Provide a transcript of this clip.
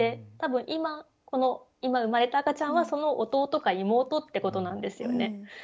多分今生まれた赤ちゃんはその弟か妹ってことなんですよね。